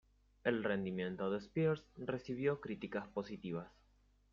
El rendimiento de Spears recibió críticas positivas.